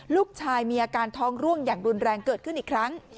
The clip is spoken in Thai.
ลูกชายมีอาการท้องร่วงอย่างรุนแรงเกิดขึ้นอีกครั้ง